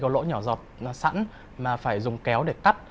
lỗ nhỏ giọt sẵn mà phải dùng kéo để cắt